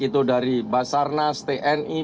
itu dari basarnas tni